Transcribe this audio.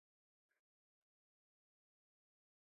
کرنیزې ځمکې اوبو ته اړتیا لري.